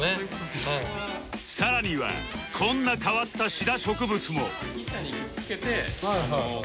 さらにはこんな変わったシダ植物も